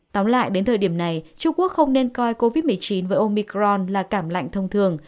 tóm lại đến thời điểm này trung quốc không nên coi covid một mươi chín với omicron là cảm lạnh thông thường